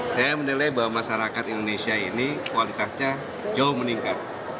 saya menilai bahwa masyarakat indonesia ini kualitasnya jauh meningkat